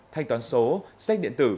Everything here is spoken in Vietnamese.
thanh toán số sách điện tử